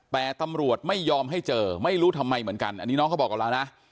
แต่ตำรวจไม่ยอมให้เจอไม่รู้ทำไมเหมือนกันอันนี้น้องเขาบอกกับเรานะ